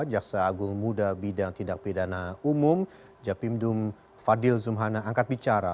jaksa agung muda bidang tindak pidana umum japimdum fadil zumhana angkat bicara